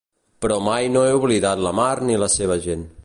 Però mai no he oblidat la mar ni la seva gent.